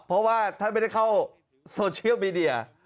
เพราะว่าท่านไม่ได้เข้าโซเชียลมีเดีย